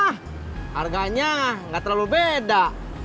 harganya nggak terlalu beda